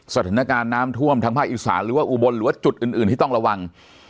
สถานการณ์น้ำท่วมทางภาคอีสานหรือว่าอุบลหรือว่าจุดอื่นที่ต้องระวัง